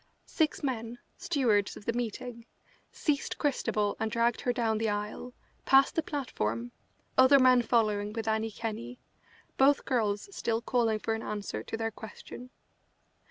Six men, stewards of the meeting, seized Christabel and dragged her down the aisle, past the platform, other men following with Annie Kenney, both girls still calling for an answer to their question.